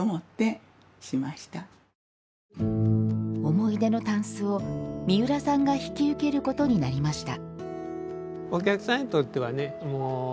思い出のたんすを三浦さんが引き受けることになりました。